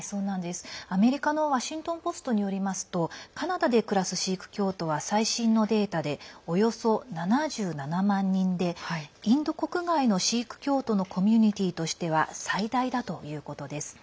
アメリカのワシントン・ポストによりますとカナダで暮らすシーク教徒は最新のデータでおよそ７７万人でインド国外のシーク教徒のコミュニティーとしては最大だということです。